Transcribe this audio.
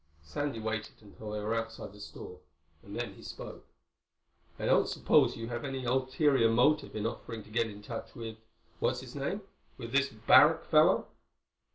Sandy waited until they were outside the store and then he spoke. "I don't suppose you have any ulterior motive in offering to get in touch with—what's his name?—with this Barrack fellow?"